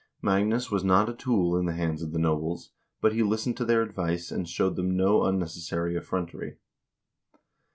Magnus was not a tool in the hands of the nobles, but he listened to their advice, and showed them no unnecessary effrontery.